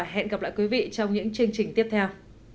hẹn gặp lại quý vị trong những chương trình tiếp theo